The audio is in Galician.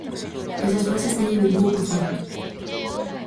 Esas frases téñenme un pouco farto.